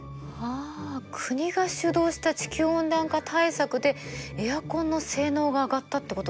あ国が主導した地球温暖化対策でエアコンの性能が上がったってことだね。